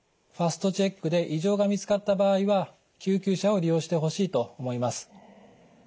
ＦＡＳＴチェックで異常が見つかった場合は救急車を利用してほしいと思います。